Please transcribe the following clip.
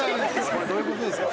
これどういう事ですか？